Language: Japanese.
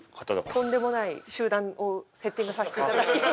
とんでもない集団をセッティングさせていただき。